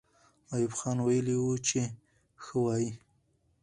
ایوب خان ویلي وو چې ښه وایي.